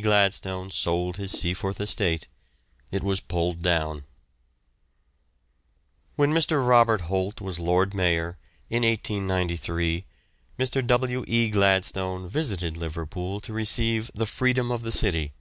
Gladstone sold his Seaforth estate, it was pulled down. When Mr. Robert Holt was Lord Mayor, in 1893, Mr. W. E. Gladstone visited Liverpool to receive the Freedom of the City.